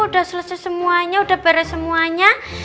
udah selesai semuanya udah beres semuanya